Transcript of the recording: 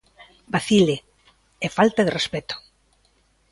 "Vacile" e "falta de respecto".